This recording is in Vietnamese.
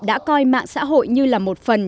đã coi mạng xã hội như là một phần